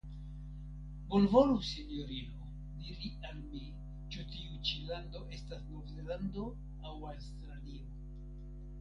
Bonvolu, Sinjorino, diri al mi ĉu tiu ĉi lando estas Nov-Zelando aŭ Aŭstralio?